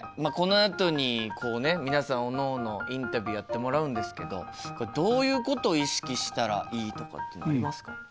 このあとにこうね皆さんおのおのインタビューやってもらうんですけどこれどういうことを意識したらいいとかっていうのはありますか？